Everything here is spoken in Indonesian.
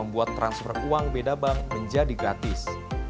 membuat transfer uang beda bank menjadi gratis